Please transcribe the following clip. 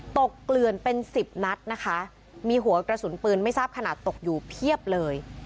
เกลื่อนเป็นสิบนัดนะคะมีหัวกระสุนปืนไม่ทราบขนาดตกอยู่เพียบเลย